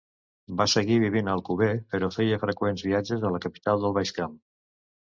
Va seguir vivint a Alcover, però feia freqüents viatges a la capital del Baix Camp.